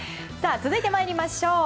続いて参りましょう。